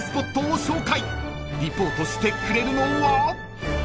［リポートしてくれるのは］